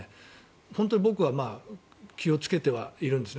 本当に僕は気をつけてはいるんですね。